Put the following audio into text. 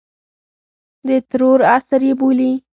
د ترور عصر یې بولي.